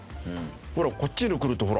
ほらこっちに来るとほら。